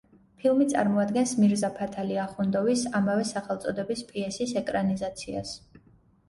ფილმი წარმოადგენს მირზა ფათალი ახუნდოვის ამავე სახელწოდების პიესის ეკრანიზაციას.